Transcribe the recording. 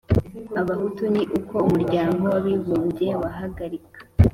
abahutu ni uko umuryango w'abibumbye wahagarika